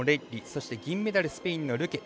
そして銀メダルスペインのルケ。